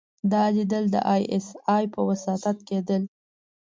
دا ليدل د ای اس ای په وساطت کېدل.